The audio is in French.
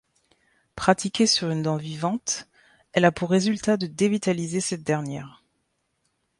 Pratiquée sur une dent vivante, elle a pour résultat de dévitaliser cette dernière.